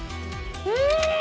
うん！